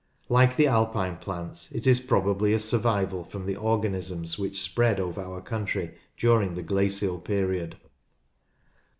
Like the Alpine plants it is probably a survival from the organisms which spread over our country during the Glacial Period.